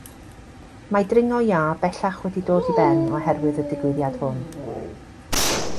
Mae dringo iâ bellach wedi dod i ben oherwydd y digwyddiad hwn.